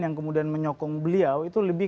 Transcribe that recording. yang kemudian menyokong beliau itu lebih